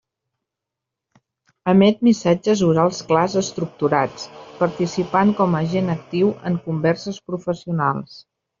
Emet missatges orals clars estructurats, participant com a agent actiu en converses professionals.